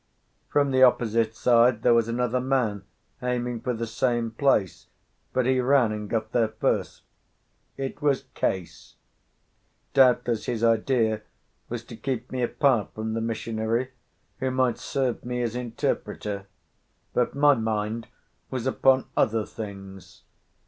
From the opposite side there was another man aiming for the same place, but he ran and got there first. It was Case; doubtless his idea was to keep me apart from the missionary, who might serve me as interpreter; but my mind was upon other things.